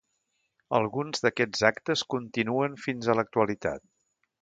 Alguns d'aquests actes continuen fins a l'actualitat.